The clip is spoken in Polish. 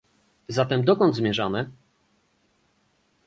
Zatem dokąd zmierzamy?